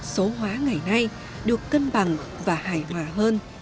số hóa ngày nay được cân bằng và hài hòa hơn